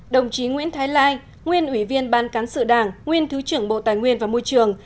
đồng chí nguyễn thái lai nguyên ủy viên ban cán sự đảng nguyên thứ trưởng bộ tài nguyên và môi trường